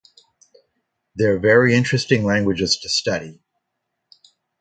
They're very interesting languages to study.